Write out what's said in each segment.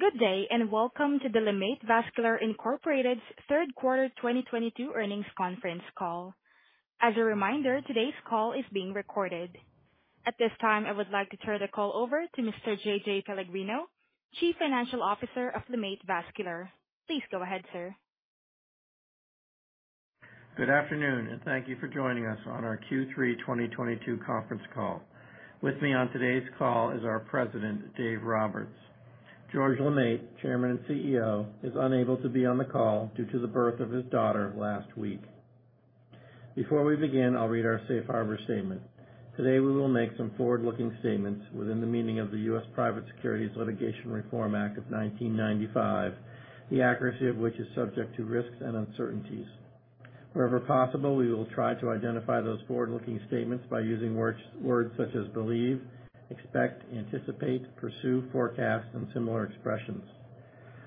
Good day, and welcome to the LeMaitre Vascular Incorporated's third quarter 2022 earnings conference call. As a reminder, today's call is being recorded. At this time, I would like to turn the call over to Mr. JJ Pellegrino, Chief Financial Officer of LeMaitre Vascular. Please go ahead, sir. Good afternoon, and thank you for joining us on our Q3 2022 conference call. With me on today's call is our President, Dave Roberts. George LeMaitre, Chairman and CEO, is unable to be on the call due to the birth of his daughter last week. Before we begin, I'll read our safe harbor statement. Today, we will make some forward-looking statements within the meaning of the Private Securities Litigation Reform Act of 1995, the accuracy of which is subject to risks and uncertainties. Wherever possible, we will try to identify those forward-looking statements by using words such as believe, expect, anticipate, pursue, forecast, and similar expressions.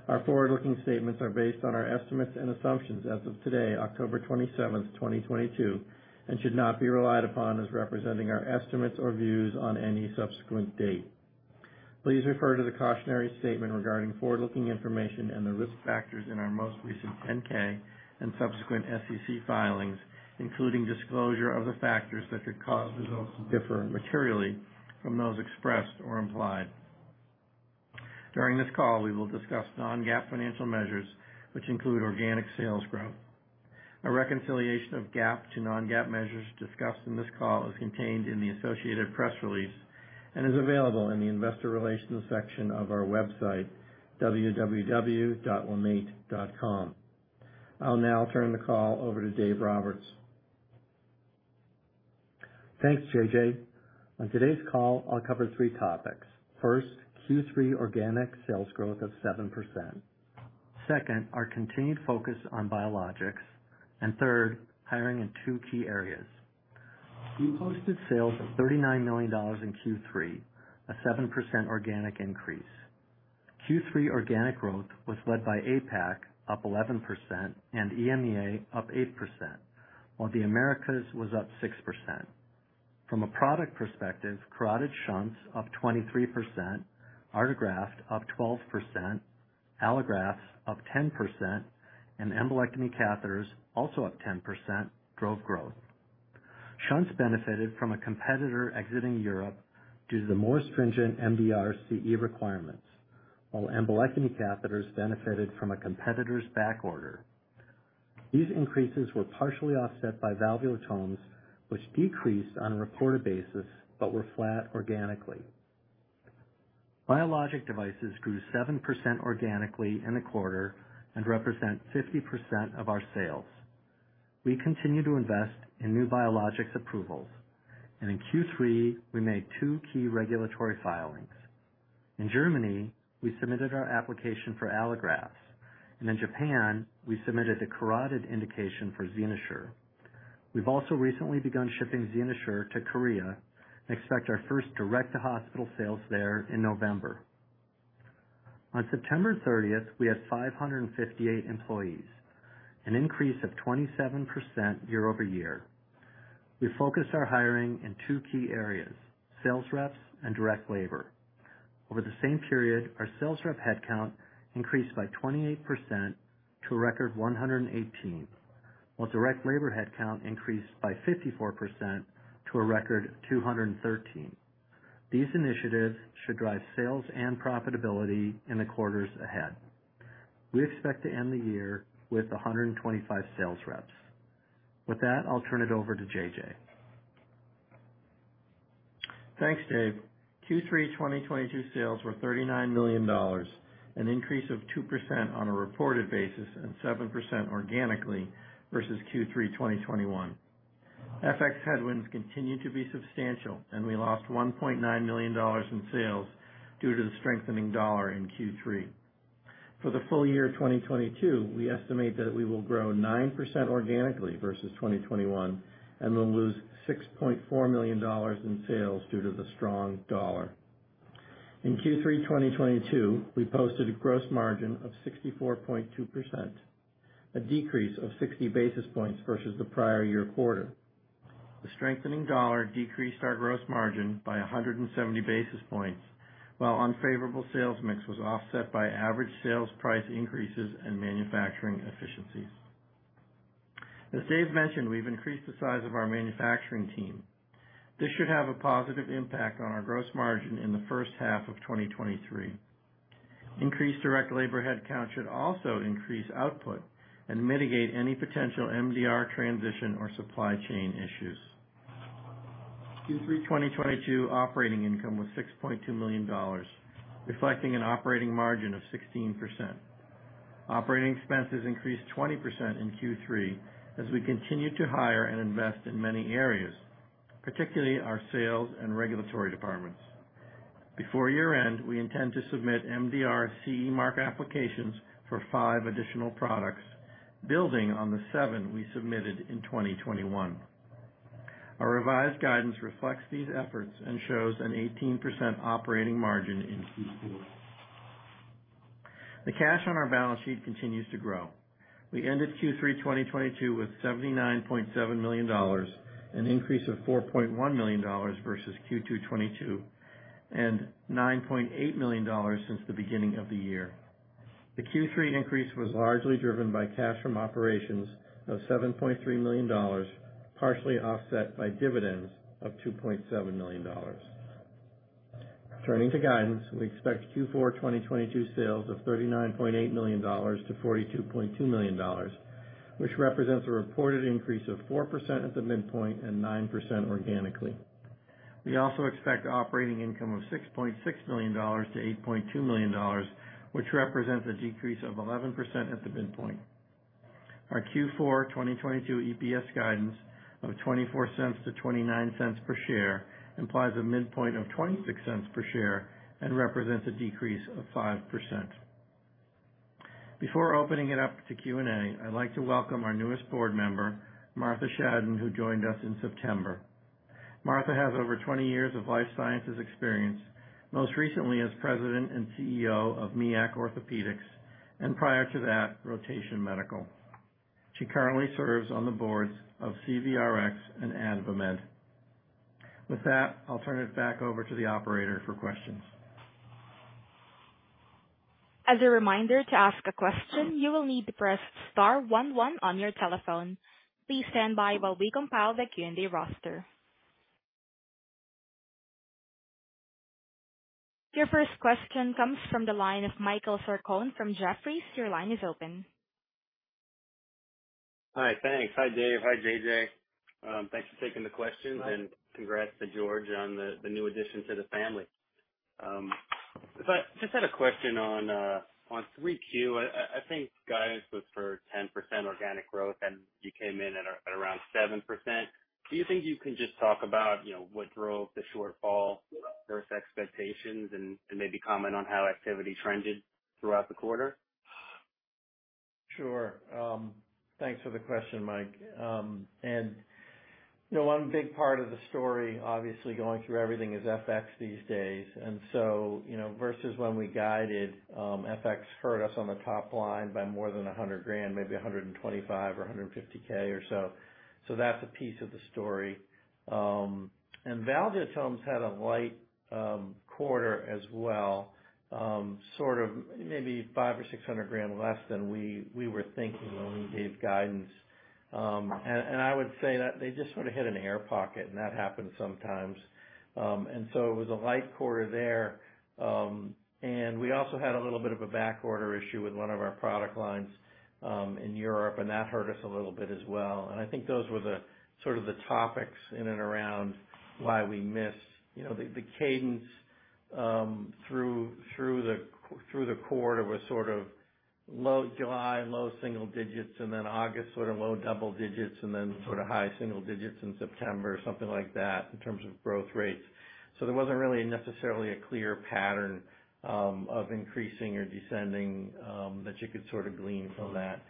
Our forward-looking statements are based on our estimates and assumptions as of today, October 27th, 2022, and should not be relied upon as representing our estimates or views on any subsequent date. Please refer to the cautionary statement regarding forward-looking information and the risk factors in our most recent 10-K and subsequent SEC filings, including disclosure of the factors that could cause results to differ materially from those expressed or implied. During this call, we will discuss non-GAAP financial measures, which include organic sales growth. A reconciliation of GAAP to non-GAAP measures discussed in this call is contained in the associated press release and is available in the investor relations section of our website, www.lemaitre.com. I'll now turn the call over to Dave Roberts. Thanks, JJ On today's call, I'll cover three topics. First, Q3 organic sales growth of 7%. Second, our continued focus on biologics. Third, hiring in two key areas. We posted sales of $39 million in Q3, a 7% organic increase. Q3 organic growth was led by APAC, up 11%, and EMEA up 8%, while the Americas was up 6%. From a product perspective, carotid shunts up 23%, Artegraft up 12%, allografts up 10%, and Embolectomy Catheters, also up 10%, drove growth. Shunts benefited from a competitor exiting Europe due to the more stringent MDR CE requirements, while Embolectomy Catheters benefited from a competitor's backorder. These increases were partially offset by Valvulotomes, which decreased on a reported basis but were flat organically. Biologic devices grew 7% organically in the quarter and represent 50% of our sales. We continue to invest in new biologics approvals, and in Q3, we made two key regulatory filings. In Germany, we submitted our application for allografts, and in Japan, we submitted the carotid indication for XenoSure. We've also recently begun shipping XenoSure to Korea and expect our first direct-to-hospital sales there in November. On September thirtieth, we had 558 employees, an increase of 27% year-over-year. We focused our hiring in two key areas, sales reps and direct labor. Over the same period, our sales rep headcount increased by 28% to a record 118, while direct labor headcount increased by 54% to a record 213. These initiatives should drive sales and profitability in the quarters ahead. We expect to end the year with 125 sales reps. With that, I'll turn it over to JJ Thanks, Dave. Q3 2022 sales were $39 million, an increase of 2% on a reported basis and 7% organically versus Q3 2021. FX headwinds continued to be substantial, and we lost $1.9 million in sales due to the strengthening dollar in Q3. For the full year 2022, we estimate that we will grow 9% organically versus 2021 and will lose $6.4 million in sales due to the strong dollar. In Q3 2022, we posted a gross margin of 64.2%, a decrease of 60 basis points versus the prior year quarter. The strengthening dollar decreased our gross margin by 170 basis points, while unfavorable sales mix was offset by average sales price increases and manufacturing efficiencies. As Dave mentioned, we've increased the size of our manufacturing team. This should have a positive impact on our gross margin in the first half of 2023. Increased direct labor headcount should also increase output and mitigate any potential MDR transition or supply chain issues. Q3 2022 operating income was $6.2 million, reflecting an operating margin of 16%. Operating expenses increased 20% in Q3 as we continue to hire and invest in many areas, particularly our sales and regulatory departments. Before year-end, we intend to submit MDR CE mark applications for five additional products, building on the seven we submitted in 2021. Our revised guidance reflects these efforts and shows an 18% operating margin in Q4. The cash on our balance sheet continues to grow. We ended Q3 2022 with $79.7 million, an increase of $4.1 million versus Q2 2022, and $9.8 million since the beginning of the year. The Q3 increase was largely driven by cash from operations of $7.3 million, partially offset by dividends of $2.7 million. Turning to guidance, we expect Q4 2022 sales of $39.8 million-$42.2 million, which represents a reported increase of 4% at the midpoint and 9% organically. We also expect operating income of $6.6 million-$8.2 million, which represents a decrease of 11% at the midpoint. Our Q4 2022 EPS guidance of $0.24-$0.29 per share implies a midpoint of $0.26 per share and represents a decrease of 5%. Before opening it up to Q&A, I'd like to welcome our newest board member, Martha Shadan, who joined us in September. Martha has over 20 years of life sciences experience, most recently as president and CEO of Miach Orthopaedics, and prior to that, Rotation Medical. She currently serves on the boards of CVRx and AdvaMed. With that, I'll turn it back over to the operator for questions. As a reminder, to ask a question, you will need to press star one one on your telephone. Please stand by while we compile the Q&A roster. Your first question comes from the line of Michael Sarcone from Jefferies. Your line is open. Hi. Thanks. Hi, Dave. Hi, JJ Thanks for taking the questions. Hi. Congrats to George on the new addition to the family. So I just had a question on 3Q. I think guidance was for 10% organic growth, and you came in at around 7%. Do you think you can just talk about you know what drove the shortfall versus expectations and maybe comment on how activity trended throughout the quarter? Sure. Thanks for the question, Mike. You know, one big part of the story, obviously going through everything is FX these days. Versus when we guided, FX hurt us on the top line by more than $100,000, maybe $125,000 or $150,000 or so. That's a piece of the story. Valvulotomes had a light quarter as well, sort of maybe $500,000 or $600,000 less than we were thinking when we gave guidance. I would say that they just sort of hit an air pocket, and that happens sometimes. It was a light quarter there. We also had a little bit of a backorder issue with one of our product lines in Europe, and that hurt us a little bit as well. I think those were the sort of topics in and around why we missed. You know, the cadence through the quarter was sort of low in July, low single digits, and then August sort of low double digits, and then sort of high single digits in September, something like that, in terms of growth rates. There wasn't really necessarily a clear pattern of increasing or descending that you could sort of glean from that.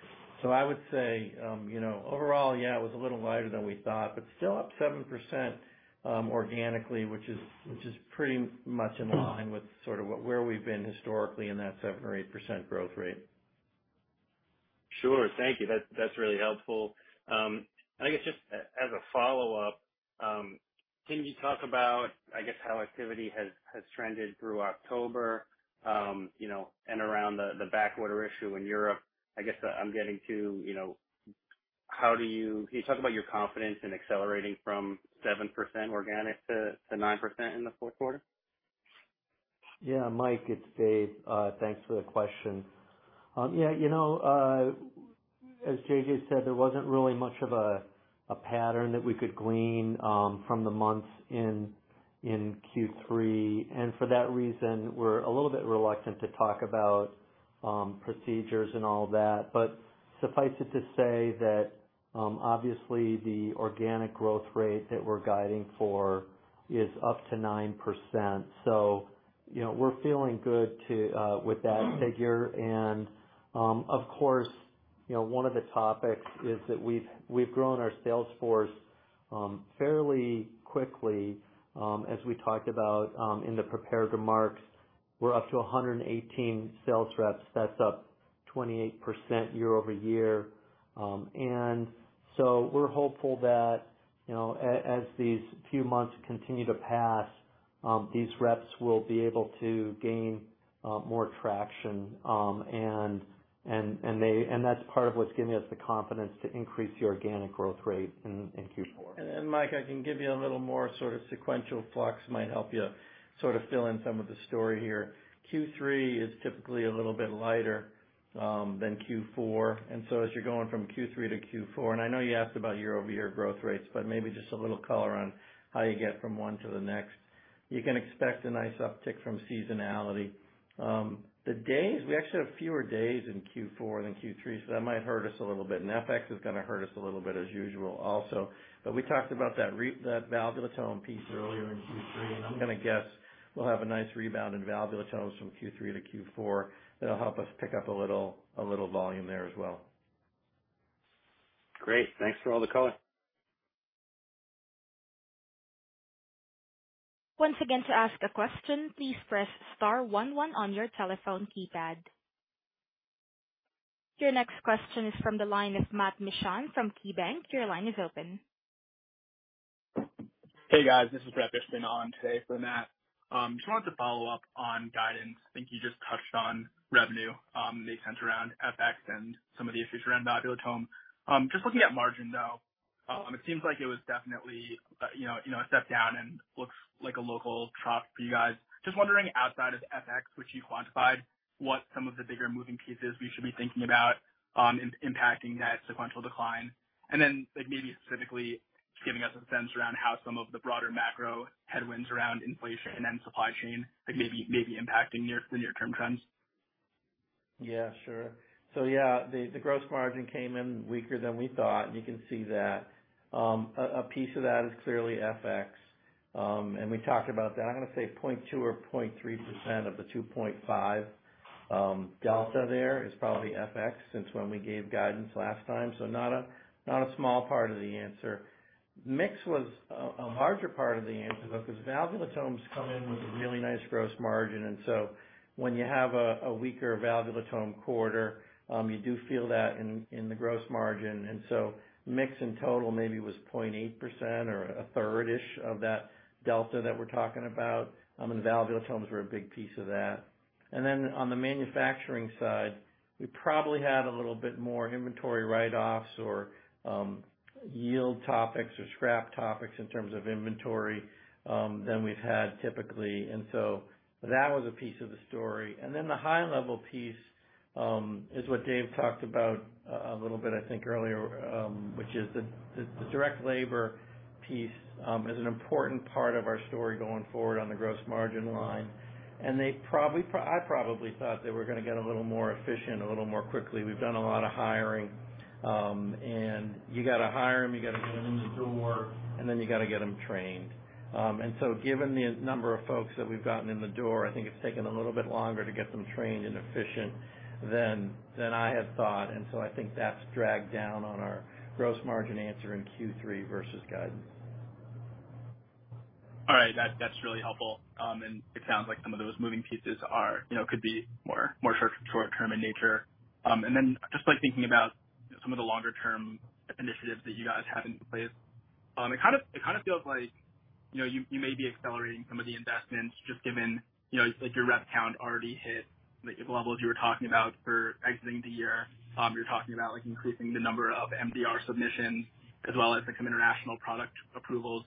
I would say, you know, overall, yeah, it was a little lighter than we thought, but still up 7%, organically, which is pretty much in line with sort of what. where we've been historically in that 7% or 8% growth rate. Sure. Thank you. That's really helpful. I guess just as a follow-up, can you talk about, I guess, how activity has trended through October, you know, and around the backorder issue in Europe? Can you talk about your confidence in accelerating from 7% organic to 9% in the fourth quarter? Yeah. Mike, it's Dave. Thanks for the question. Yeah, you know, as JJ said, there wasn't really much of a pattern that we could glean from the months in Q3. For that reason, we're a little bit reluctant to talk about procedures and all that. Suffice it to say that, obviously the organic growth rate that we're guiding for is up to 9%. You know, we're feeling good with that figure. Of course, you know, one of the topics is that we've grown our sales force fairly quickly, as we talked about in the prepared remarks. We're up to 118 sales reps. That's up 28% year-over-year. We're hopeful that, you know, as these few months continue to pass, these reps will be able to gain more traction. That's part of what's giving us the confidence to increase the organic growth rate in Q4. Mike, I can give you a little more sort of sequential flux, might help you sort of fill in some of the story here. Q3 is typically a little bit lighter than Q4. As you're going from Q3-Q4, I know you asked about year-over-year growth rates, but maybe just a little color on how you get from one to the next. You can expect a nice uptick from seasonality. The days, we actually have fewer days in Q4 than Q3, so that might hurt us a little bit. FX is gonna hurt us a little bit as usual also. We talked about that Valvulotome piece earlier in Q3, and I'm gonna guess we'll have a nice rebound in Valvulotomes from Q3-Q4. That'll help us pick up a little volume there as well. Great. Thanks for all the color. Once again, to ask a question, please press star one one on your telephone keypad. Your next question is from the line of Matt Mishan from KeyBanc. Your line is open. Hey, guys. This is Brett Fishbin on today for Matt. Just wanted to follow up on guidance. I think you just touched on revenue, may center around FX and some of the issues around Valvulotome. Just looking at margin, though, it seems like it was definitely, you know, a step down and looks like a local trough for you guys. Just wondering, outside of FX, which you quantified, what some of the bigger moving pieces we should be thinking about, impacting that sequential decline. Like, maybe specifically giving us a sense around how some of the broader macro headwinds around inflation and supply chain, like, may be impacting the near-term trends. Yeah, sure. The gross margin came in weaker than we thought, and you can see that. A piece of that is clearly FX, and we talked about that. I'm gonna say 0.2% or 0.3% of the 2.5 delta there is probably FX since when we gave guidance last time, so not a small part of the answer. Mix was a larger part of the answer, though, because Valvulotomes come in with a really nice gross margin, and when you have a weaker Valvulotome quarter, you do feel that in the gross margin. Mix in total maybe was 0.8% or a third-ish of that delta that we're talking about, and the Valvulotomes were a big piece of that. On the manufacturing side, we probably had a little bit more inventory write-offs or yield topics or scrap topics in terms of inventory than we've had typically. That was a piece of the story. The high level piece is what Dave talked about a little bit, I think, earlier, which is the direct labor piece is an important part of our story going forward on the gross margin line. I probably thought they were gonna get a little more efficient a little more quickly. We've done a lot of hiring, and you gotta hire them, you gotta get them in the door, and then you gotta get them trained. Given the number of folks that we've gotten in the door, I think it's taken a little bit longer to get them trained and efficient than I had thought. I think that's dragged down our gross margin answer in Q3 versus guidance. All right. That's really helpful. It sounds like some of those moving pieces are, you know, could be more short-term in nature. Then just, like, thinking about some of the longer term initiatives that you guys have in place, it kind of feels like, you know, you may be accelerating some of the investments just given, you know, like, your rep count already hit, like, the levels you were talking about for exiting the year. You're talking about, like, increasing the number of MDR submissions as well as the kind of international product approvals.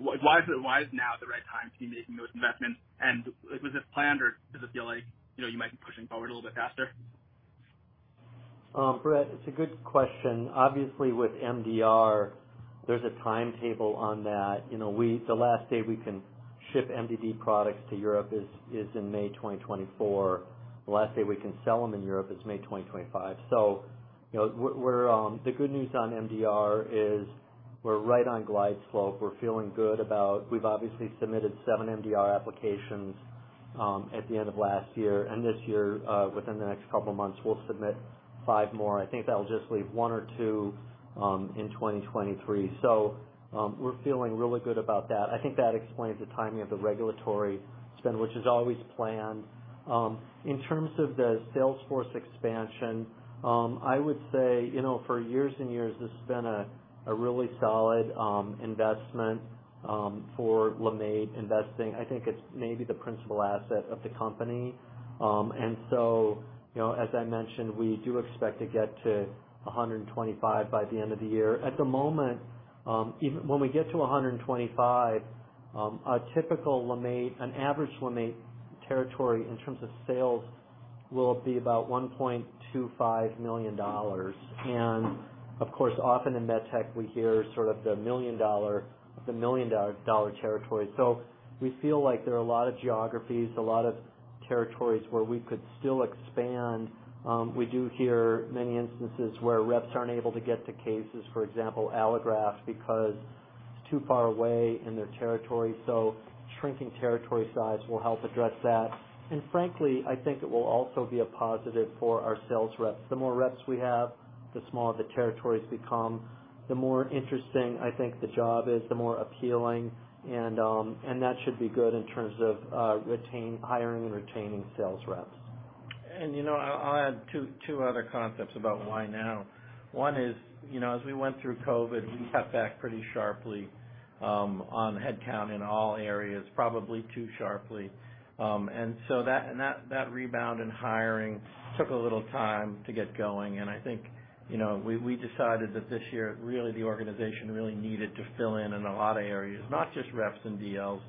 Why is now the right time to be making those investments? Like, was this planned, or does it feel like, you know, you might be pushing forward a little bit faster? Brett, it's a good question. Obviously, with MDR, there's a timetable on that. The last day we can ship MDD products to Europe is in May 2024. The last day we can sell them in Europe is May 2025. You know, the good news on MDR is we're right on glide slope. We've obviously submitted seven MDR applications at the end of last year. This year, within the next couple of months, we'll submit five more. I think that'll just leave one or two in 2023. We're feeling really good about that. I think that explains the timing of the regulatory spend, which is always planned. In terms of the sales force expansion, I would say, you know, for years and years, this has been a really solid investment for LeMaitre investing. I think it's maybe the principal asset of the company. You know, as I mentioned, we do expect to get to 125 by the end of the year. At the moment, even when we get to 125, a typical LeMaitre, an average LeMaitre territory in terms of sales will be about $1.25 million. Of course, often in med tech we hear sort of the million dollar territory. We feel like there are a lot of geographies, a lot of territories where we could still expand. We do hear many instances where reps aren't able to get to cases, for example, allografts, because it's too far away in their territory, so shrinking territory size will help address that. Frankly, I think it will also be a positive for our sales reps. The more reps we have, the smaller the territories become, the more interesting I think the job is, the more appealing. That should be good in terms of hiring and retaining sales reps. You know, I'll add two other concepts about why now. One is, you know, as we went through COVID, we cut back pretty sharply on headcount in all areas, probably too sharply. That rebound in hiring took a little time to get going. I think, you know, we decided that this year, really, the organization really needed to fill in in a lot of areas, not just reps and DLs,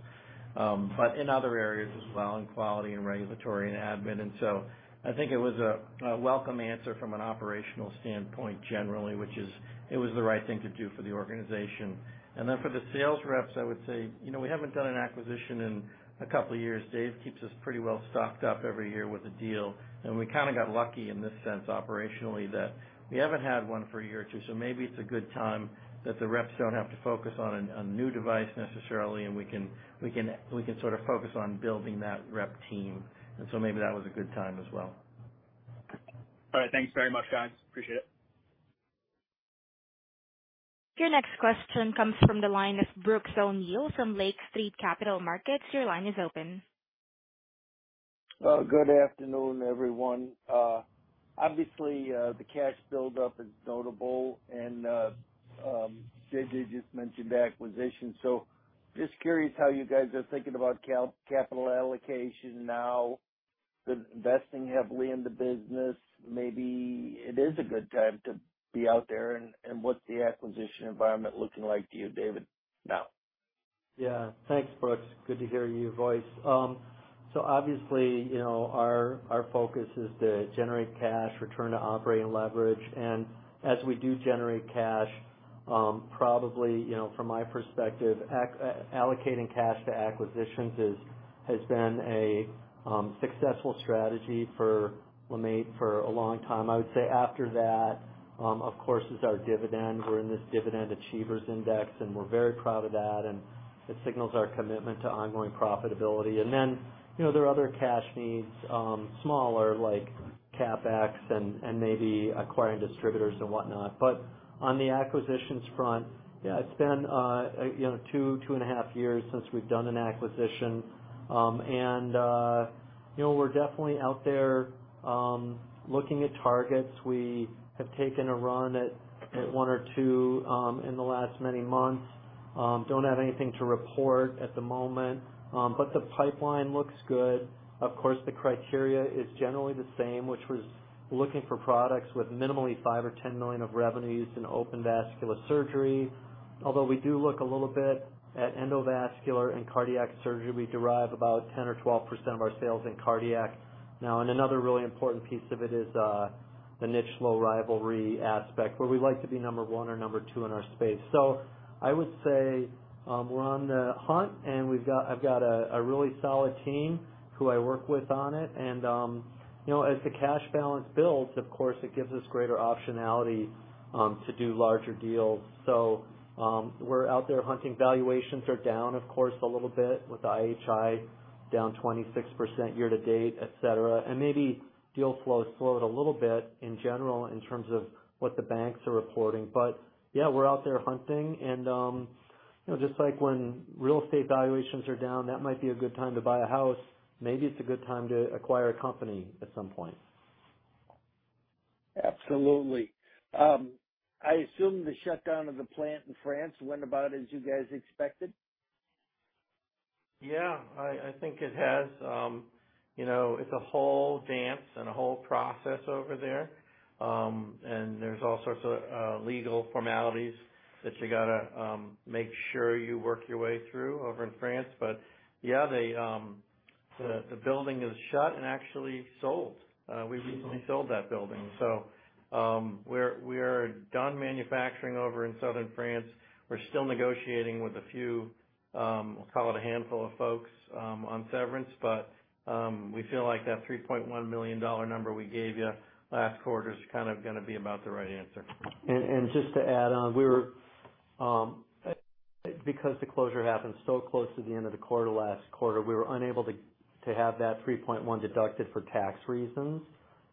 but in other areas as well, in quality and regulatory and admin. I think it was a welcome answer from an operational standpoint generally, which is it was the right thing to do for the organization. For the sales reps, I would say, you know, we haven't done an acquisition in a couple of years. Dave keeps us pretty well stocked up every year with a deal, and we kinda got lucky in this sense operationally that we haven't had one for a year or two. Maybe it's a good time that the reps don't have to focus on a new device necessarily, and we can sort of focus on building that rep team. Maybe that was a good time as well. All right. Thanks very much, guys. Appreciate it. Your next question comes from the line of Brooks O'Neil from Lake Street Capital Markets. Your line is open. Good afternoon, everyone. Obviously, the cash buildup is notable, and JJ just mentioned the acquisition. Just curious how you guys are thinking about capital allocation now, then investing heavily in the business. Maybe it is a good time to be out there, and what's the acquisition environment looking like to you, Dave, now? Yeah. Thanks, Brooks. Good to hear your voice. Obviously, you know, our focus is to generate cash, return to operating leverage. As we do generate cash, probably, you know, from my perspective, allocating cash to acquisitions is, has been a successful strategy for LeMaitre for a long time. I would say after that, of course is our dividend. We're in this Dividend Achievers Index, and we're very proud of that, and it signals our commitment to ongoing profitability. Then, you know, there are other cash needs, smaller, like CapEx and maybe acquiring distributors and whatnot. On the acquisitions front, yeah, it's been, you know, two and a half years since we've done an acquisition. We're definitely out there looking at targets. We have taken a run at one or two in the last many months. Don't have anything to report at the moment, but the pipeline looks good. Of course, the criteria is generally the same, which was looking for products with minimally $5 million or $10 million of revenues in open vascular surgery. Although we do look a little bit at endovascular and cardiac surgery, we derive about 10% or 12% of our sales in cardiac now. Another really important piece of it is the niche low rivalry aspect, where we like to be number one or number two in our space. I would say, we're on the hunt, and I've got a really solid team who I work with on it. You know, as the cash balance builds, of course it gives us greater optionality to do larger deals. We're out there hunting. Valuations are down, of course, a little bit with IHI down 26% year to date, et cetera. Maybe deal flow slowed a little bit in general in terms of what the banks are reporting. Yeah, we're out there hunting and, you know, just like when real estate valuations are down, that might be a good time to buy a house. Maybe it's a good time to acquire a company at some point. Absolutely. I assume the shutdown of the plant in France went about as you guys expected. Yeah. I think it has. You know, it's a whole dance and a whole process over there. There's all sorts of legal formalities that you gotta make sure you work your way through over in France. Yeah, the building is shut and actually sold. We recently sold that building, so we are done manufacturing over in southern France. We're still negotiating with a few, we'll call it a handful of folks, on severance, but we feel like that $3.1 million number we gave you last quarter is kind of gonna be about the right answer. Just to add on, we were because the closure happened so close to the end of the quarter last quarter, we were unable to have that 3.1 deducted for tax reasons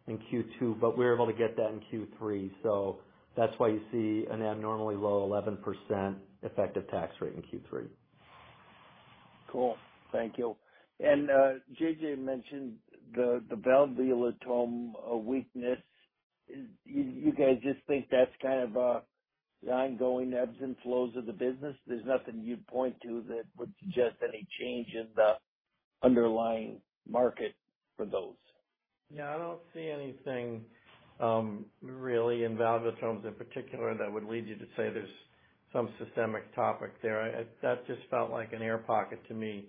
in Q2, but we were able to get that in Q3. That's why you see an abnormally low 11% effective tax rate in Q3. Cool. Thank you. JJ mentioned the Valvulotome weakness. You guys just think that's kind of the ongoing ebbs and flows of the business? There's nothing you'd point to that would suggest any change in the underlying market for those? Yeah, I don't see anything really in Valvulotomes in particular that would lead you to say there's some systemic topic there. That just felt like an air pocket to me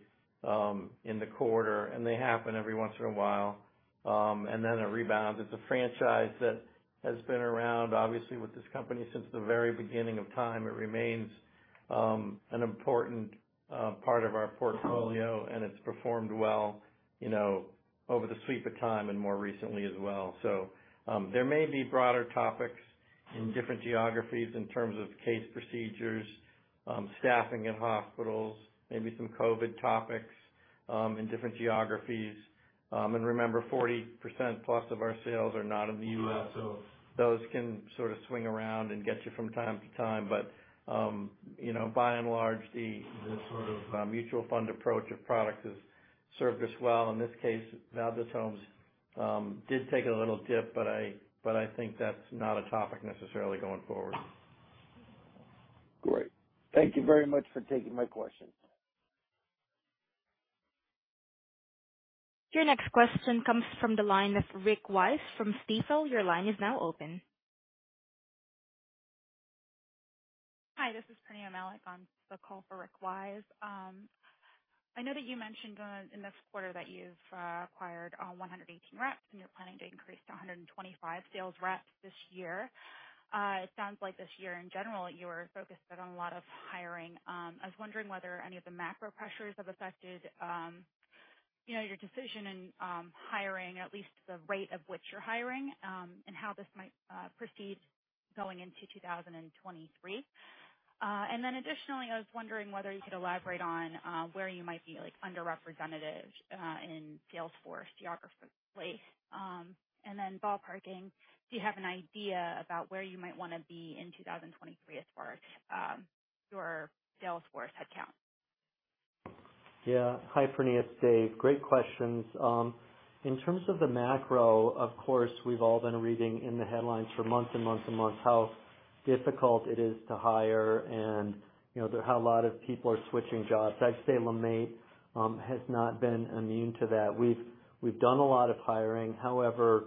in the quarter. They happen every once in a while, and then a rebound. It's a franchise that has been around, obviously, with this company since the very beginning of time. It remains an important part of our portfolio, and it's performed well, you know, over the sweep of time and more recently as well. There may be broader topics in different geographies in terms of case procedures, staffing in hospitals, maybe some COVID topics in different geographies. Remember, 40% plus of our sales are not in the U.S., so those can sort of swing around and get you from time to time. You know, by and large, the sort of mutual fund approach to product has served us well. In this case, Valvulotomes did take a little dip, but I think that's not a topic necessarily going forward. Great. Thank you very much for taking my question. Your next question comes from the line of Rick Wise from Stifel. Your line is now open. Hi, this is Purnima Malik. I'm calling for Rick Wise. I know that you mentioned in this quarter that you've acquired 118 reps and you're planning to increase to 125 sales reps this year. It sounds like this year in general you are focused on a lot of hiring. I was wondering whether any of the macro pressures have affected you know your decision in hiring or at least the rate of which you're hiring and how this might proceed going into 2023. Additionally, I was wondering whether you could elaborate on where you might be like underrepresented in sales force geographically. Ballparking, do you have an idea about where you might wanna be in 2023 as far as your sales force headcount? Yeah. Hi, Purnima. Dave. Great questions. In terms of the macro, of course, we've all been reading in the headlines for months and months and months how difficult it is to hire and, you know, how a lot of people are switching jobs. I'd say LeMaitre has not been immune to that. We've done a lot of hiring. However,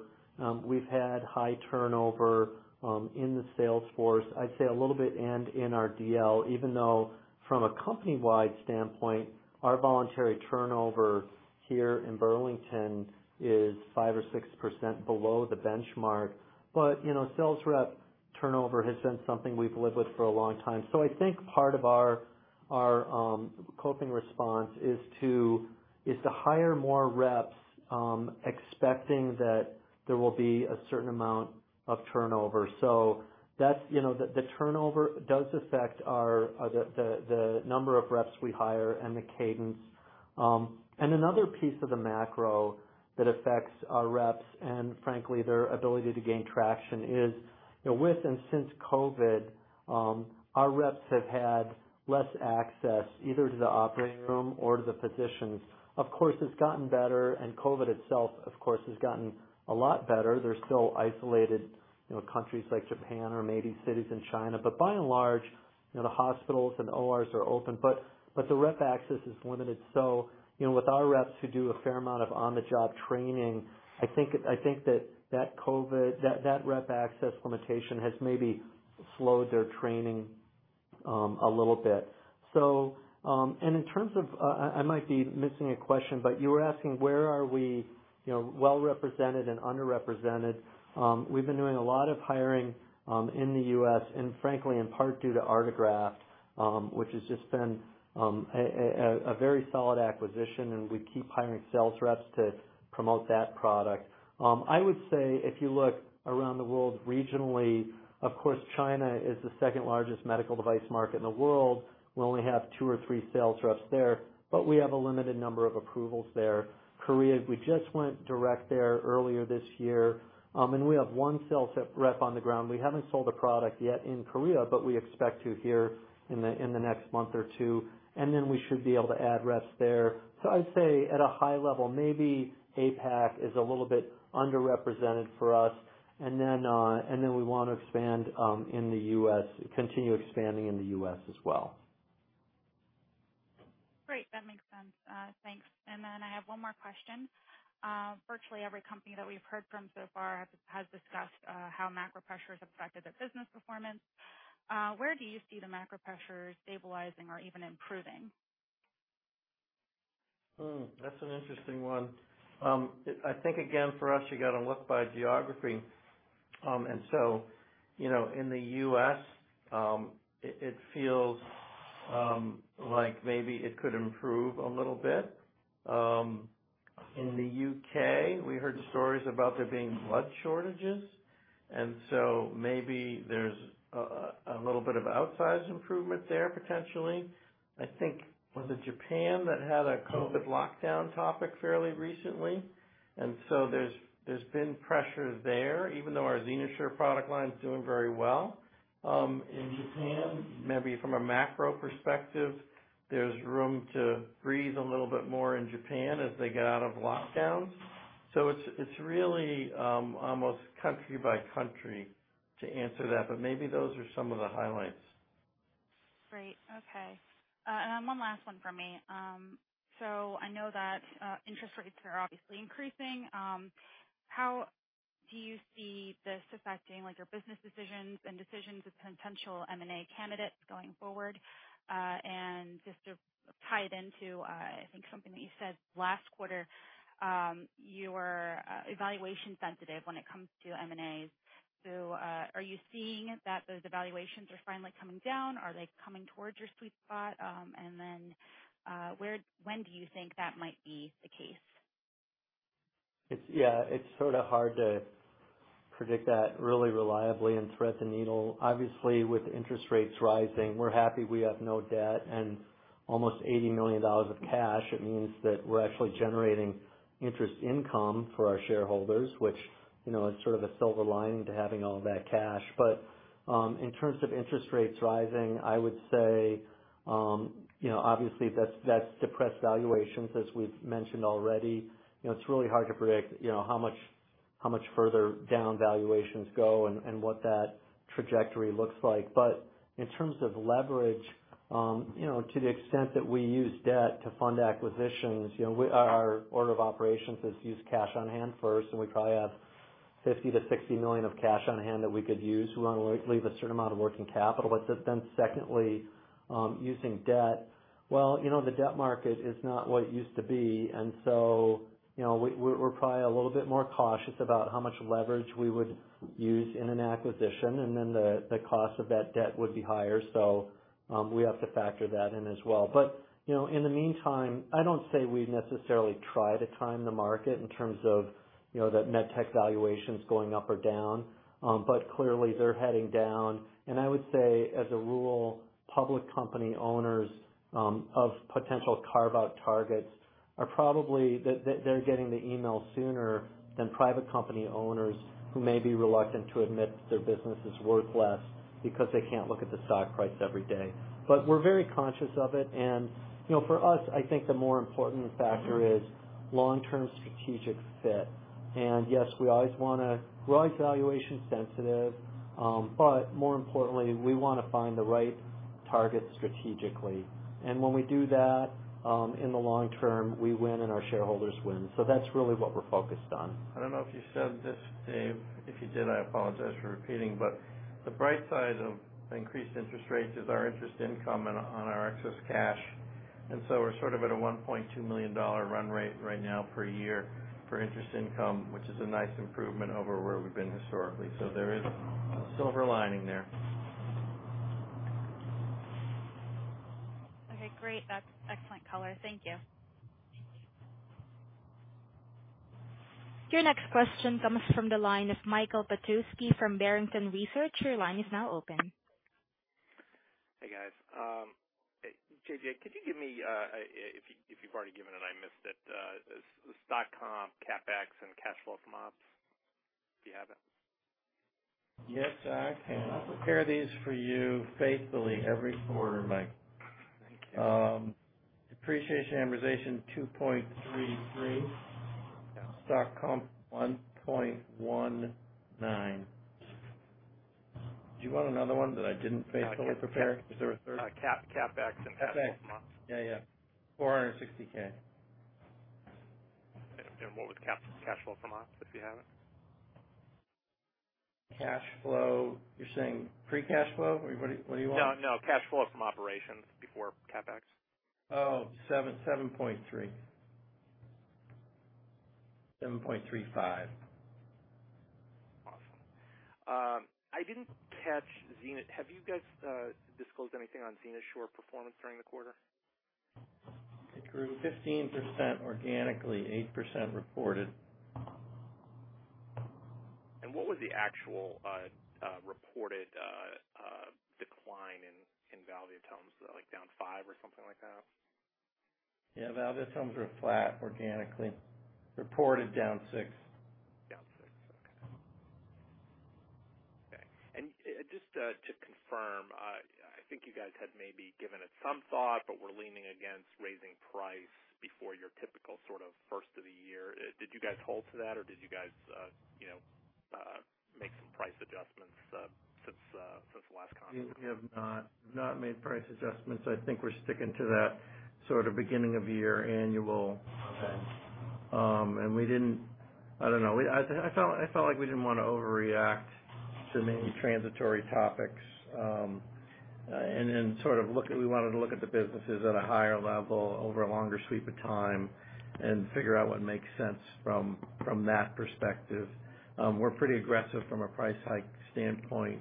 we've had high turnover in the sales force, I'd say a little bit, and in our DL, even though from a company-wide standpoint, our voluntary turnover here in Burlington is 5% or 6% below the benchmark. You know, sales rep turnover has been something we've lived with for a long time. I think part of our coping response is to hire more reps, expecting that there will be a certain amount of turnover. That's, you know, the turnover does affect our the number of reps we hire and the cadence. Another piece of the macro that affects our reps, and frankly, their ability to gain traction is, you know, with and since COVID, our reps have had less access either to the operating room or to the physicians. Of course, it's gotten better, and COVID itself, of course, has gotten a lot better. There's still isolated, you know, countries like Japan or maybe cities in China, but by and large, you know, the hospitals and ORs are open. The rep access is limited. You know, with our reps who do a fair amount of on-the-job training, I think that COVID, that rep access limitation has maybe slowed their training a little bit. In terms of, I might be missing a question, but you were asking where are we, you know, well-represented and underrepresented. We've been doing a lot of hiring in the U.S. and frankly in part due to Artegraft, which has just been a very solid acquisition, and we keep hiring sales reps to promote that product. I would say if you look around the world regionally, of course, China is the second-largest medical device market in the world. We only have two or three sales reps there, but we have a limited number of approvals there. Korea, we just went direct there earlier this year. We have one sales rep on the ground. We haven't sold a product yet in Korea, but we expect to here in the next month or two, and then we should be able to add reps there. I'd say at a high level, maybe APAC is a little bit underrepresented for us. We wanna expand in the U.S., continue expanding in the U.S. as well. Great. That makes sense. Thanks. Then I have one more question. Virtually every company that we've heard from so far has discussed how macro pressures affected their business performance. Where do you see the macro pressures stabilizing or even improving? That's an interesting one. I think again, for us, you gotta look by geography. You know, in the U.S., it feels like maybe it could improve a little bit. In the U.K., we heard stories about there being blood shortages, and so maybe there's a little bit of outsized improvement there, potentially. I think, was it Japan that had a COVID lockdown too fairly recently? There's been pressures there, even though our XenoSure product line is doing very well in Japan, maybe from a macro perspective, there's room to breathe a little bit more in Japan as they get out of lockdowns. It's really almost country by country to answer that, but maybe those are some of the highlights. Great. Okay. One last one from me. I know that interest rates are obviously increasing. How do you see this affecting, like, your business decisions and decisions of potential M&A candidates going forward? Just to tie it into, I think something that you said last quarter, you were valuation sensitive when it comes to M&As. Are you seeing that those valuations are finally coming down? Are they coming towards your sweet spot? When do you think that might be the case? Yeah, it's sorta hard to predict that really reliably and thread the needle. Obviously, with interest rates rising, we're happy we have no debt and almost $80 million of cash. It means that we're actually generating interest income for our shareholders, which, you know, is sort of a silver lining to having all that cash. In terms of interest rates rising, I would say, you know, obviously, that's depressed valuations, as we've mentioned already. You know, it's really hard to predict, you know, how much further down valuations go and what that trajectory looks like. In terms of leverage, you know, to the extent that we use debt to fund acquisitions, you know, our order of operations is use cash on hand first, and we probably have $50 million-$60 million of cash on hand that we could use. We wanna leave a certain amount of working capital. Secondly, using debt. Well, you know, the debt market is not what it used to be, and so, you know, we're probably a little bit more cautious about how much leverage we would use in an acquisition, and then the cost of that debt would be higher. We have to factor that in as well. You know, in the meantime, I don't say we necessarily try to time the market in terms of, you know, the med tech valuations going up or down. Clearly they're heading down. I would say, as a rule, public company owners of potential carve-out targets are probably they're getting the email sooner than private company owners who may be reluctant to admit that their business is worth less because they can't look at the stock price every day. We're very conscious of it. You know, for us, I think the more important factor is long-term strategic fit. Yes, we're always valuation sensitive, but more importantly, we wanna find the right target strategically. When we do that, in the long term, we win and our shareholders win. That's really what we're focused on. I don't know if you said this, Dave. If you did, I apologize for repeating, but the bright side of increased interest rates is our interest income on our excess cash. We're sort of at a $1.2 million run rate right now per year for interest income, which is a nice improvement over where we've been historically. There is a silver lining there. Okay, great. That's excellent color. Thank you. Your next question comes from the line of Michael Petusky from Barrington Research. Your line is now open. Hey, guys. JJ, could you give me, if you've already given it, I missed it, stock comp, CapEx, and cash flow from ops, if you have it? Yes, I can. I prepare these for you faithfully every quarter, Mike. Thank you. Depreciation, amortization, $2.33. Yeah. Stock comp, $1.19. Do you want another one that I didn't faithfully prepare? Is there a third? CapEx and cash flow from ops. Yeah, yeah. $460K. What was cash flow from ops, if you have it? Cash flow. You're saying pre-cash flow? What do you want? No, no. Cash flow from operations before CapEx. Oh, seven, 7.3. 7.35. Awesome. I didn't catch XenoSure. Have you guys disclosed anything on XenoSure's short performance during the quarter? It grew 15% organically, 8% reported What was the actual reported decline in value terms? Like, down 5% or something like that? Yeah. Volumes were flat organically. Reported down 6%. Down 6%. Okay. Okay. Just to confirm, I think you guys had maybe given it some thought, but were leaning against raising price before your typical sort of first of the year. Did you guys hold to that, or did you guys, you know, make some price adjustments since the last conference call? We have not made price adjustments. I think we're sticking to that sort of beginning of year annual. Okay. I felt like we didn't wanna overreact to many transitory topics, and we wanted to look at the businesses at a higher level over a longer sweep of time and figure out what makes sense from that perspective. We're pretty aggressive from a price hike standpoint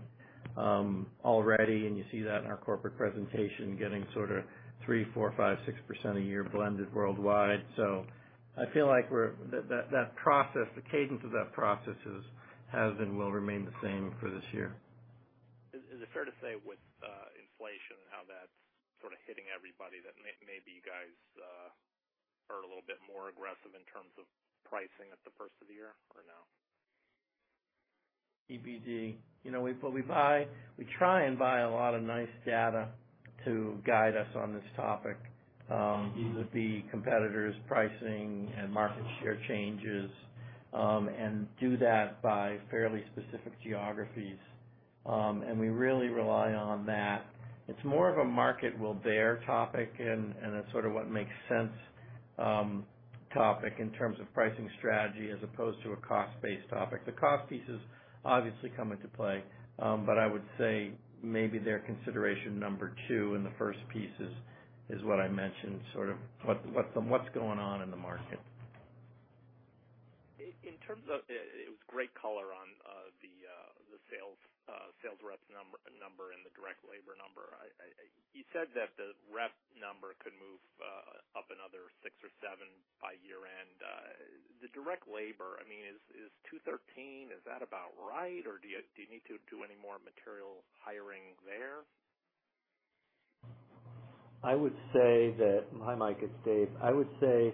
already, and you see that in our corporate presentation, getting sorta 3%, 4%, 5%, 6% a year blended worldwide. I feel like that process, the cadence of that process is, has been, will remain the same for this year. Is it fair to say with inflation and how that's sort of hitting everybody, that maybe you guys are a little bit more aggressive in terms of pricing at the first of the year or no? EBD. You know, we try and buy a lot of nice data to guide us on this topic, be it the competitors' pricing and market share changes, and do that by fairly specific geographies. We really rely on that. It's more of a market will bear topic and a sort of what makes sense topic in terms of pricing strategy as opposed to a cost-based topic. The cost piece has obviously come into play, but I would say maybe their consideration number two, and the first piece is what I mentioned, sort of what's going on in the market. It was great color on the sales rep number and the direct labor number. You said that the rep number could move up another six or seven by year-end. The direct labor, I mean, is 213, is that about right, or do you need to do any more material hiring there? Hi, Mike. It's Dave. I would say,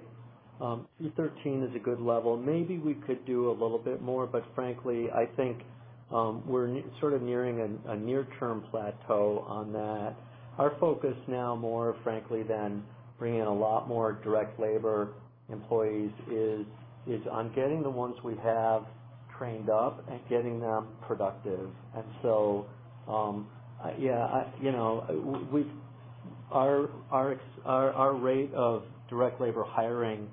213 is a good level. Maybe we could do a little bit more, but frankly, I think, we're sort of nearing a near-term plateau on that. Our focus now more frankly than bringing a lot more direct labor employees is on getting the ones we have trained up and getting them productive. You know, our rate of direct labor hiring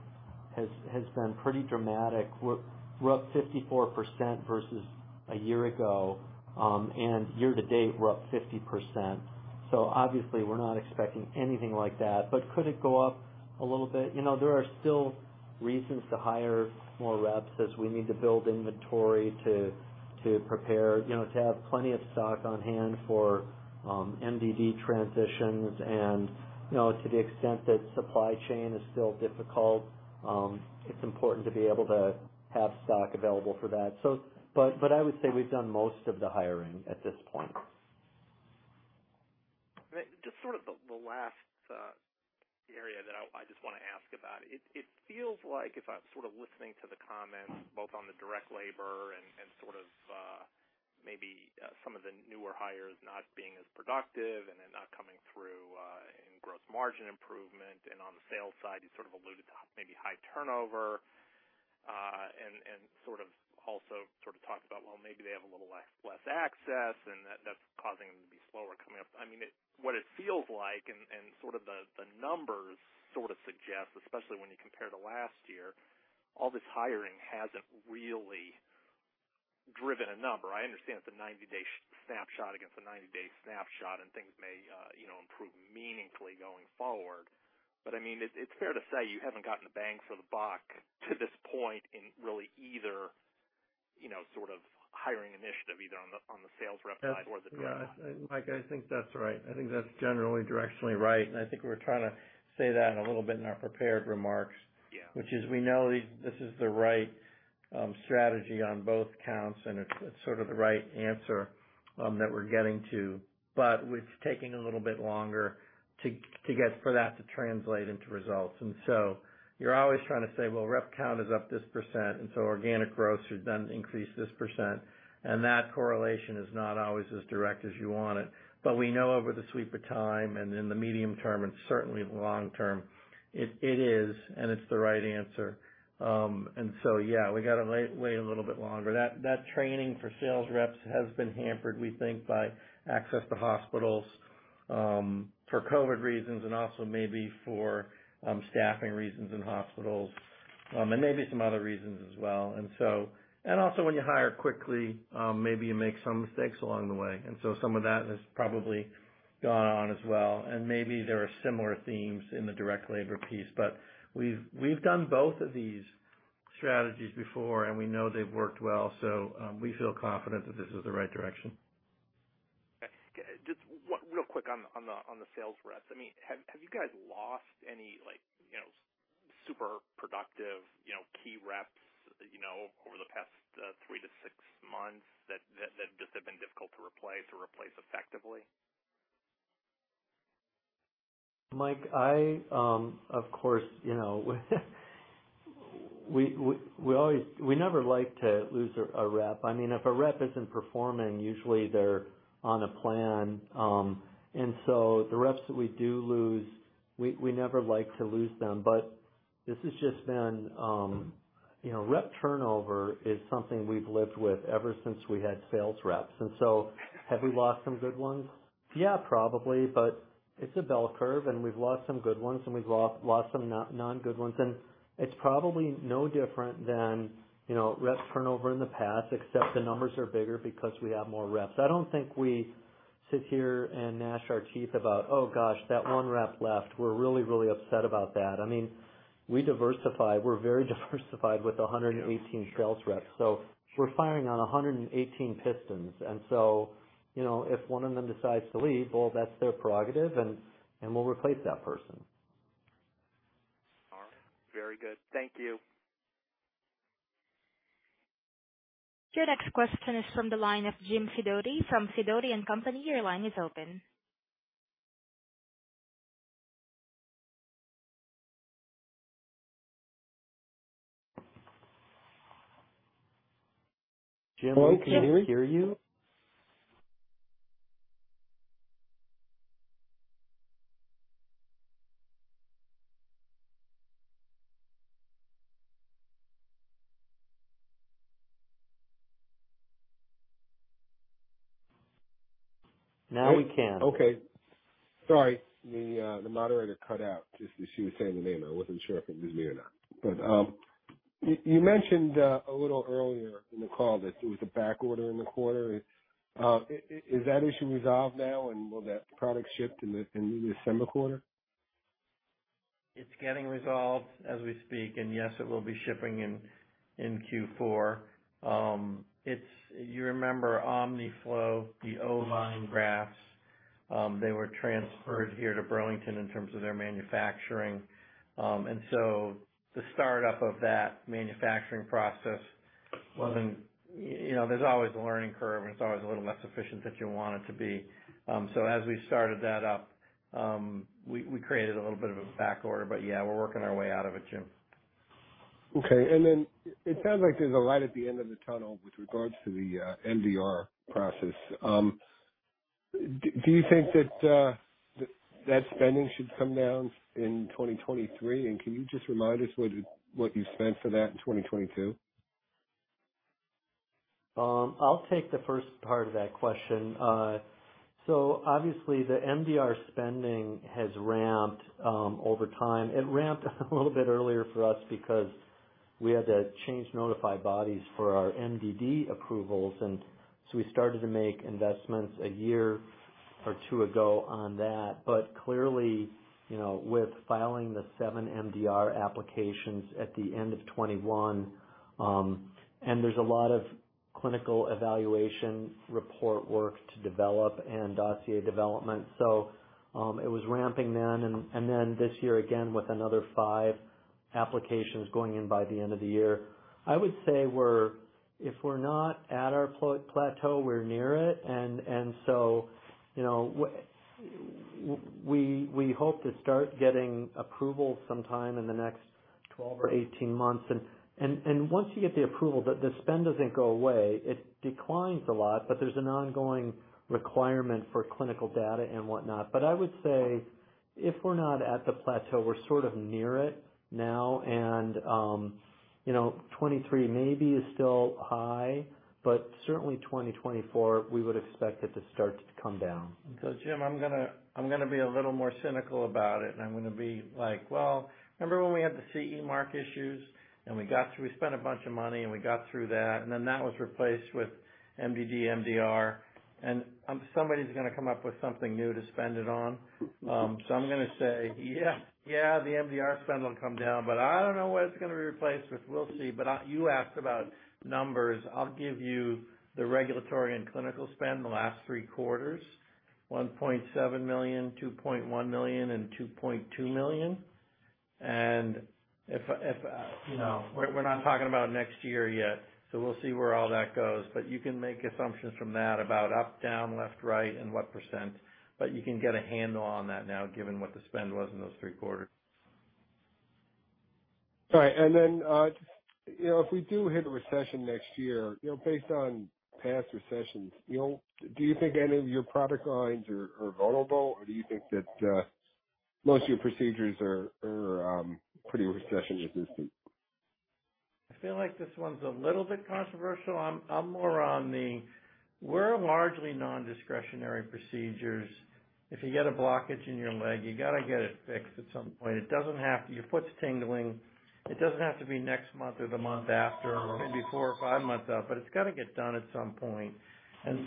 has been pretty dramatic. We're up 54% versus a year ago. Year to date, we're up 50%. Obviously we're not expecting anything like that. Could it go up a little bit? You know, there are still reasons to hire more reps as we need to build inventory to prepare, you know, to have plenty of stock on hand for MDD transitions and, you know, to the extent that supply chain is still difficult, it's important to be able to have stock available for that. I would say we've done most of the hiring at this point. Just sort of the last area that I just wanna ask about. It feels like if I'm sort of listening to the comments both on the direct labor and sort of maybe some of the newer hires not being as productive and then not coming through in gross margin improvement, and on the sales side, you sort of alluded to maybe high turnover and sort of also sort of talked about, well, maybe they have a little less access and that's causing them to be slower coming up. I mean, what it feels like and sort of the numbers sort of suggest, especially when you compare to last year, all this hiring hasn't really driven a number. I understand it's a 90-day snapshot against a 90-day snapshot, and things may you know, improve meaningfully going forward. I mean, it's fair to say you haven't gotten a bang for the buck to this point in really either, you know, sort of hiring initiative, either on the sales rep side or the direct line. Mike, I think that's right. I think that's generally directionally right, and I think we're trying to say that a little bit in our prepared remarks. Yeah. Which is we know this is the right strategy on both counts, and it's sort of the right answer that we're getting to. But it's taking a little bit longer to get for that to translate into results. You're always trying to say, "Well, rep count is up this percent, and so organic growth should then increase this percent." That correlation is not always as direct as you want it. We know over the sweep of time and in the medium term, and certainly the long term, it is, and it's the right answer. Yeah, we gotta wait a little bit longer. That training for sales reps has been hampered, we think, by access to hospitals, for COVID reasons and also maybe for staffing reasons in hospitals, and maybe some other reasons as well. Also when you hire quickly, maybe you make some mistakes along the way. Some of that has probably gone on as well, and maybe there are similar themes in the direct labor piece. We've done both of these strategies before, and we know they've worked well, so we feel confident that this is the right direction. Okay. Just what, real quick on the sales reps. I mean, have you guys lost any like, you know, super productive, you know, key reps, you know, over the past three to six months that just have been difficult to replace or replace effectively? Mike, of course, you know, we always. We never like to lose a rep. I mean, if a rep isn't performing, usually they're on a plan. The reps that we do lose, we never like to lose them. This has just been, you know, rep turnover is something we've lived with ever since we had sales reps. Have we lost some good ones? Yeah, probably. It's a bell curve, and we've lost some good ones, and we've lost some non good ones. It's probably no different than, you know, reps turnover in the past, except the numbers are bigger because we have more reps. I don't think we sit here and gnash our teeth about, "Oh, gosh, that one rep left. We're really, really upset about that." I mean, we diversify. We're very diversified with 118 sales reps. We're firing on 118 pistons. You know, if one of them decides to leave, well, that's their prerogative and we'll replace that person. All right. Very good. Thank you. Your next question is from the line of Jim Sidoti from SIDOTI & Company. Your line is open. Hello? Can you hear me? Now we can. Okay. Sorry. The moderator cut out just as she was saying your name, and I wasn't sure if it was me or not. You mentioned a little earlier in the call that there was a backorder in the quarter. Is that issue resolved now, and will that product ship in the December quarter? It's getting resolved as we speak, and yes, it will be shipping in Q4. You remember Omniflow, the Omniflow grafts, they were transferred here to Burlington in terms of their manufacturing. The startup of that manufacturing process. You know, there's always a learning curve, and it's always a little less efficient than you want it to be. As we started that up, we created a little bit of a backorder, but yeah, we're working our way out of it, Jim. It sounds like there's a light at the end of the tunnel with regards to the MDR process. Do you think that spending should come down in 2023? Can you just remind us what you spent for that in 2022? I'll take the first part of that question. Obviously the MDR spending has ramped over time. It ramped a little bit earlier for us because we had to change notified bodies for our MDD approvals, and we started to make investments a year or two ago on that. Clearly, you know, with filing the seven MDR applications at the end of 2021, and there's a lot of clinical evaluation report work to develop and dossier development. It was ramping then, and then this year again with another five applications going in by the end of the year. I would say if we're not at our plateau, we're near it. You know, we hope to start getting approval sometime in the next 12 or 18 months. Once you get the approval, the spend doesn't go away. It declines a lot, but there's an ongoing requirement for clinical data and whatnot. I would say if we're not at the plateau, we're sort of near it now. You know, 2023 maybe is still high, but certainly 2024, we would expect it to start to come down. Jim, I'm gonna be a little more cynical about it, and I'm gonna be like, well, remember when we had the CE mark issues and we got through that. We spent a bunch of money, and we got through that, and then that was replaced with MDD, MDR, and somebody's gonna come up with something new to spend it on. I'm gonna say, yeah, the MDR spend will come down, but I don't know what it's gonna be replaced with. We'll see. But you asked about numbers. I'll give you the regulatory and clinical spend the last three quarters, $1.7 million, $2.1 million, and $2.2 million. If you know, we're not talking about next year yet, so we'll see where all that goes. You can make assumptions from that about up, down, left, right, and what %. You can get a handle on that now given what the spend was in those three quarters. Sorry. You know, if we do hit a recession next year, you know, based on past recessions, you know, do you think any of your product lines are pretty recession resistant? I feel like this one's a little bit controversial. We're largely non-discretionary procedures. If you get a blockage in your leg, you gotta get it fixed at some point. Your foot's tingling. It doesn't have to be next month or the month after or maybe four or five months out, but it's gotta get done at some point.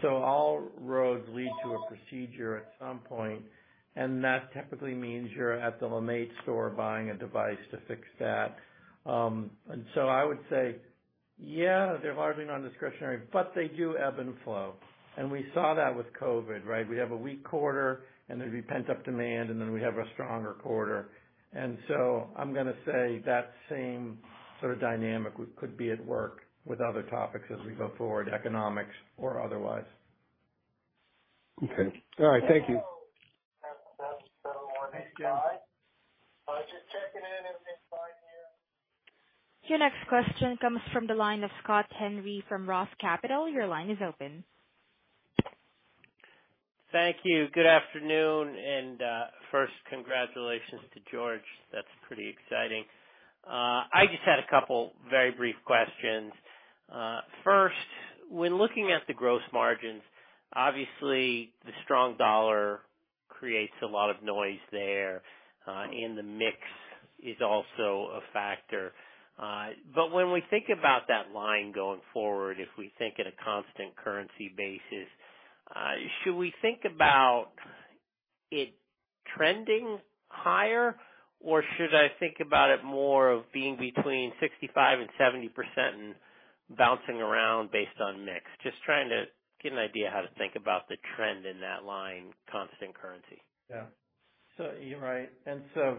All roads lead to a procedure at some point, and that typically means you're at the LeMaitre store buying a device to fix that. I would say, yeah, they're largely non-discretionary, but they do ebb and flow. We saw that with COVID, right? We have a weak quarter, and there'd be pent-up demand, and then we have a stronger quarter. I'm gonna say that same sort of dynamic could be at work with other topics as we go forward, economics or otherwise. Okay. All right. Thank you. Thanks, Jim. Just checking in. Everything's fine here. Your next question comes from the line of Scott Henry from ROTH Capital. Your line is open. Thank you. Good afternoon. First, congratulations to George. That's pretty exciting. I just had a couple very brief questions. First, when looking at the gross margins, obviously the strong dollar creates a lot of noise there, and the mix is also a factor. When we think about that line going forward, if we think at a constant currency basis, should we think about it trending higher, or should I think about it more of being between 65%-70% and bouncing around based on mix? Just trying to get an idea how to think about the trend in that line, constant currency. Yeah. You're right.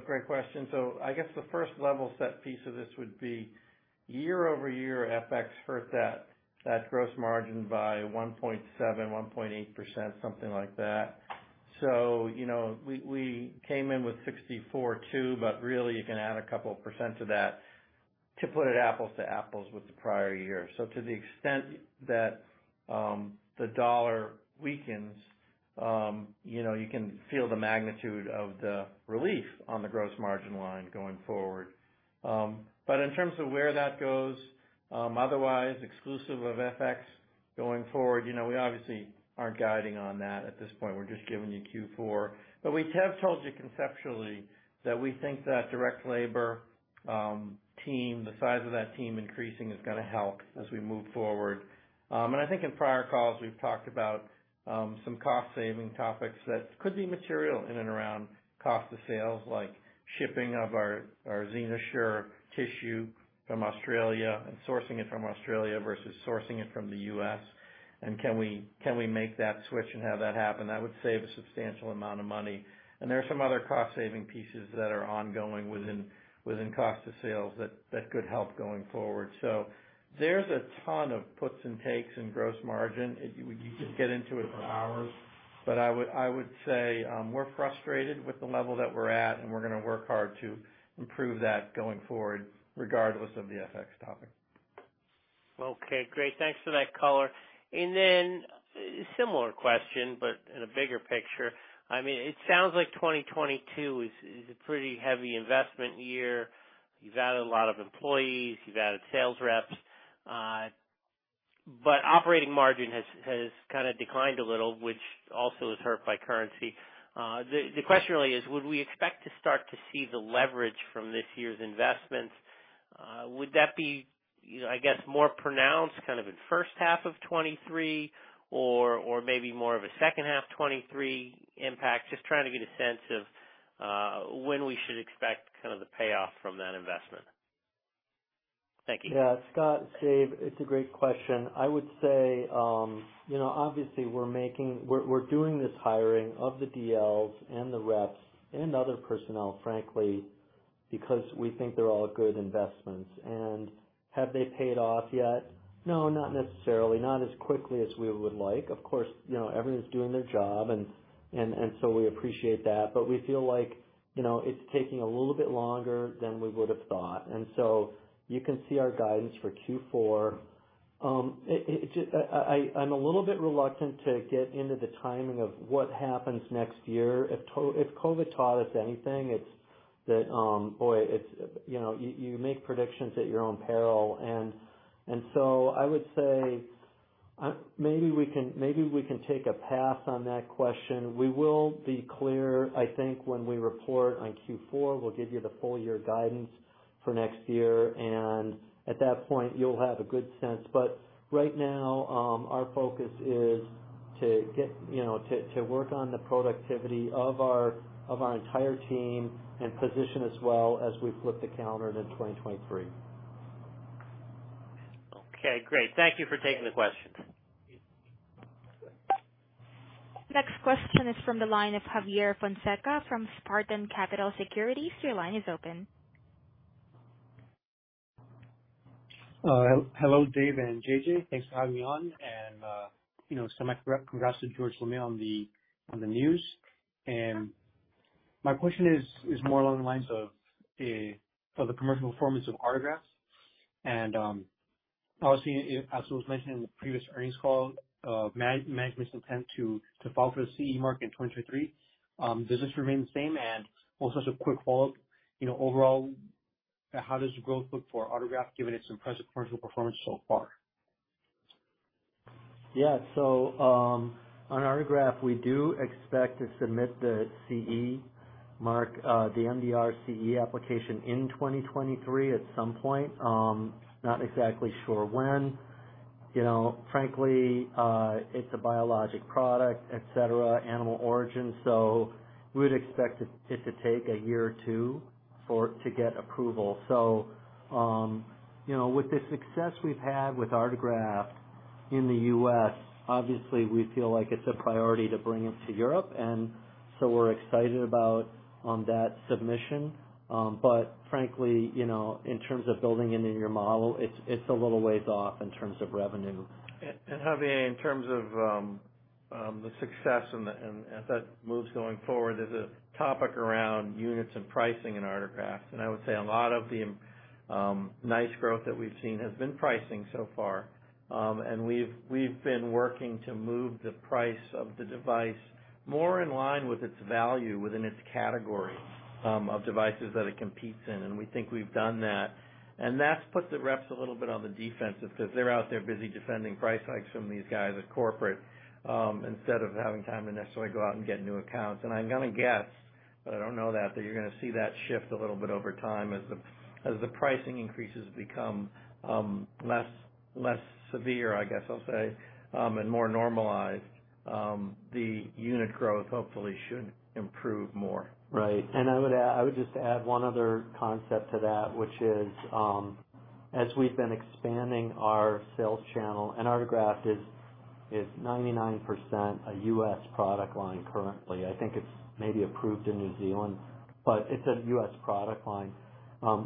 Great question. I guess the first level set piece of this would be year-over-year FX hurt that gross margin by 1.7-1.8%, something like that. You know, we came in with 64.2%, but really you can add a couple of % to that to put it apples to apples with the prior year. To the extent that the dollar weakens, you know, you can feel the magnitude of the relief on the gross margin line going forward. But in terms of where that goes, otherwise exclusive of FX going forward, you know, we obviously aren't guiding on that at this point. We're just giving you Q4. We have told you conceptually that we think that direct labor team, the size of that team increasing is gonna help as we move forward. I think in prior calls, we've talked about some cost saving topics that could be material in and around cost of sales, like shipping of our XenoSure tissue from Australia and sourcing it from Australia versus sourcing it from the U.S. Can we make that switch and have that happen? That would save a substantial amount of money. There are some other cost saving pieces that are ongoing within cost of sales that could help going forward. There's a ton of puts and takes in gross margin. You could get into it for hours. I would say we're frustrated with the level that we're at, and we're gonna work hard to improve that going forward, regardless of the FX topic. Okay, great. Thanks for that color. Then similar question, but in a bigger picture. I mean, it sounds like 2022 is a pretty heavy investment year. You've added a lot of employees, you've added sales reps, but operating margin has kinda declined a little, which also is hurt by currency. The question really is, would we expect to start to see the leverage from this year's investments? Would that be, you know, I guess more pronounced kind of in first half of 2023 or maybe more of a second half 2023 impact? Just trying to get a sense of when we should expect kind of the payoff from that investment. Thank you. Yeah. Scott, Dave, it's a great question. I would say, you know, obviously, we're doing this hiring of the DLs and the reps and other personnel, frankly, because we think they're all good investments. Have they paid off yet? No, not necessarily, not as quickly as we would like. Of course, you know, everyone's doing their job, and so we appreciate that. We feel like, you know, it's taking a little bit longer than we would have thought. You can see our guidance for Q4. I'm a little bit reluctant to get into the timing of what happens next year. If COVID taught us anything, it's that, boy, it's, you know, you make predictions at your own peril. I would say maybe we can take a pass on that question. We will be clear, I think, when we report on Q4. We'll give you the full year guidance for next year, and at that point, you'll have a good sense. Right now our focus is to get you know to work on the productivity of our entire team and position as well as we flip the calendar to 2023. Okay, great. Thank you for taking the question. Next question is from the line of Javier Fonseca from Spartan Capital Securities. Your line is open. Hello, Dave and JJ, thanks for having me on. You know, some congrats to George LeMaitre on the news. My question is more along the lines of the commercial performance of allograft. Obviously, as was mentioned in the previous earnings call, management's intent to file for the CE mark in 2023, does this remain the same? Also as a quick follow-up, you know, overall, how does growth look for allograft given its impressive commercial performance so far? Yeah. On Artegraft, we do expect to submit the CE mark, the MDR CE application in 2023 at some point. Not exactly sure when. You know, frankly, it's a biologic product, et cetera, animal origin, so we would expect it to take a year or two for it to get approval. You know, with the success we've had with Artegraft in the U.S., obviously we feel like it's a priority to bring it to Europe, and so we're excited about that submission. Frankly, you know, in terms of building it into your model, it's a little ways off in terms of revenue. Javier, in terms of the success and as that moves going forward, there's a topic around units and pricing in Artegraft, and I would say a lot of the nice growth that we've seen has been pricing so far. We've been working to move the price of the device more in line with its value within its category of devices that it competes in, and we think we've done that. That's put the reps a little bit on the defensive because they're out there busy defending price hikes from these guys at corporate instead of having time to necessarily go out and get new accounts. I'm gonna guess, but I don't know that you're gonna see that shift a little bit over time as the pricing increases become less severe, I guess I'll say, and more normalized. The unit growth hopefully should improve more. Right. I would just add one other concept to that, which is, as we've been expanding our sales channel, and Artegraft is 99% a U.S. Product line currently. I think it's maybe approved in New Zealand, but it's a U.S. Product line.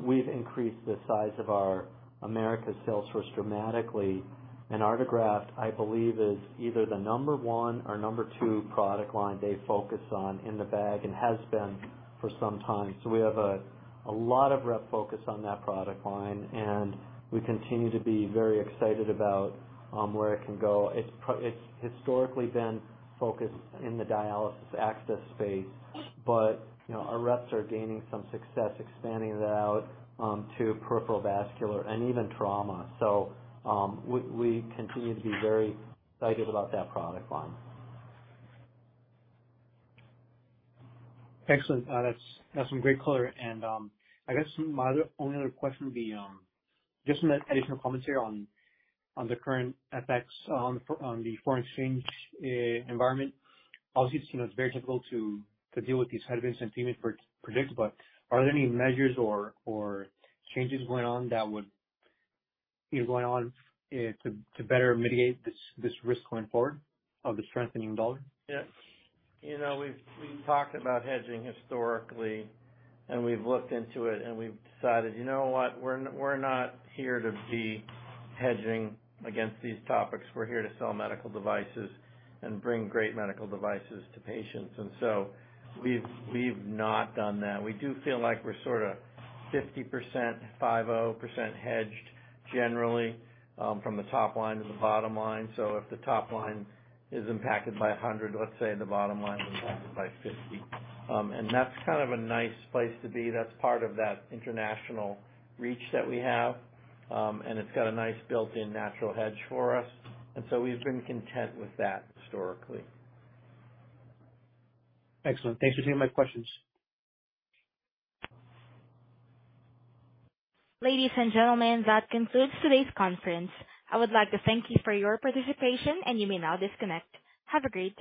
We've increased the size of our Americas sales force dramatically. Artegraft, I believe, is either the number one or number two product line they focus on in their bag and has been for some time. We have a lot of rep focus on that product line, and we continue to be very excited about where it can go. It's historically been focused in the dialysis access space, but you know, our reps are gaining some success expanding that out to peripheral vascular and even trauma. We continue to be very excited about that product line. Excellent. That's some great color. I guess my only other question would be just an additional commentary on the current effects on the foreign exchange environment. Obviously, it's, you know, very difficult to deal with these headwinds and LeMaitre forecast, but are there any measures or changes going on that would be going on to better mitigate this risk going forward of the strengthening dollar? Yes. You know, we've talked about hedging historically, and we've looked into it, and we've decided, you know what, we're not here to be hedging against these topics. We're here to sell medical devices and bring great medical devices to patients. We've not done that. We do feel like we're sort of 50% hedged generally, from the top line to the bottom line. If the top line is impacted by 100, let's say, the bottom line is impacted by 50. That's kind of a nice place to be. That's part of that international reach that we have. It's got a nice built-in natural hedge for us. We've been content with that historically. Excellent. Thanks for taking my questions. Ladies and gentlemen, that concludes today's conference. I would like to thank you for your participation, and you may now disconnect. Have a great day.